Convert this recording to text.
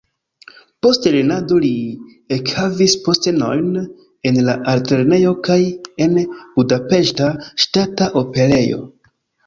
Post lernado li ekhavis postenojn en la Altlernejo kaj en Budapeŝta Ŝtata Operejo.